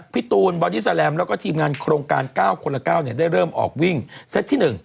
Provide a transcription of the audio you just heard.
ตูนบอดี้แลมแล้วก็ทีมงานโครงการ๙คนละ๙ได้เริ่มออกวิ่งเซตที่๑